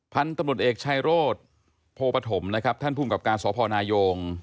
พันธุ์ตำรวจเอกชายโรธโภปฐมท่านผู้กับการสพนายโยง